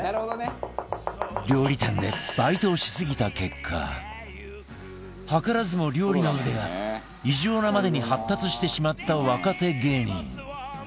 料理店でバイトをしすぎた結果図らずも料理の腕が異常なまでに発達してしまった若手芸人